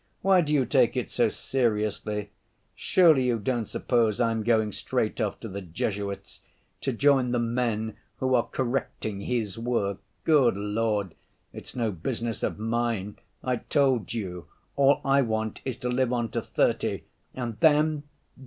Why do you take it so seriously? Surely you don't suppose I am going straight off to the Jesuits, to join the men who are correcting His work? Good Lord, it's no business of mine. I told you, all I want is to live on to thirty, and then